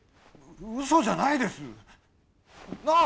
うそじゃないです。なあ？